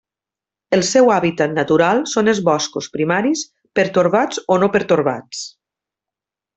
El seu hàbitat natural són els boscos primaris pertorbats o no pertorbats.